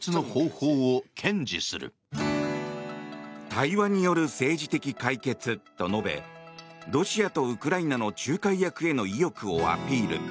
対話による政治的解決と述べロシアとウクライナの仲介役への意欲をアピール。